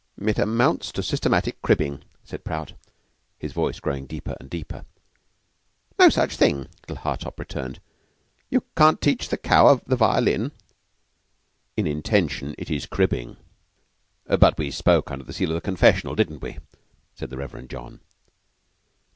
"It amounts to systematic cribbing," said Prout, his voice growing deeper and deeper. "No such thing," little Hartopp returned. "You can't teach a cow the violin." "In intention it is cribbing." "But we spoke under the seal of the confessional, didn't we?" said the Reverend John.